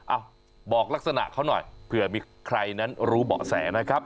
อ่ะบอกลักษณะเขาหน่อยเผื่อมีใครนั้นรู้เบาะแสนะครับ